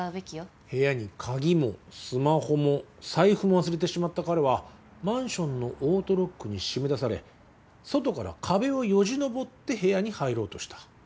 部屋に鍵もスマホも財布も忘れてしまった彼はマンションのオートロックに閉め出され外から壁をよじ登って部屋に入ろうとした。